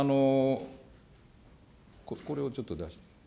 これをちょっと出して。